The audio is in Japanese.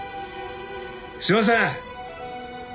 すいません！